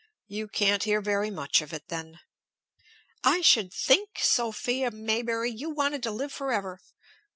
"You can't hear very much of it, then." "I should think, Sophia Maybury, you wanted to live forever!"